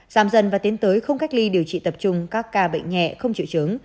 giảm dần và tiến tới không cách ly điều trị tập trung các ca bệnh nhẹ không chịu chứng